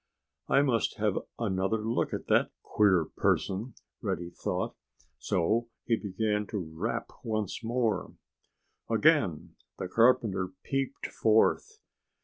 "I must have another look at that queer person," Reddy thought. So he began to rap once more. Again the carpenter peeped forth.